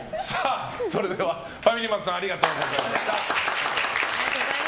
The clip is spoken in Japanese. ファミリーマートさんありがとうございました。